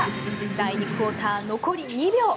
第２クオーター、残り２秒。